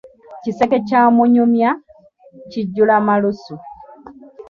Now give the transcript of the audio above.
Kiseke kya munyumya, kijjula malusu.